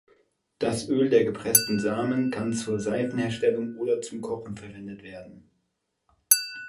Das Öl der gepressten Samen kann zur Seifenherstellung oder zum Kochen verwendet werden.